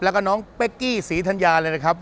แล้วก็น้องเป๊กกี้ศรีธัญญาเลยนะครับ